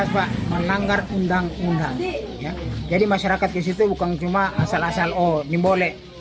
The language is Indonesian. pertama asal asal oh ini boleh